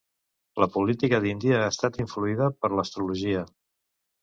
La política d'Índia ha estat influïda per l'astrologia.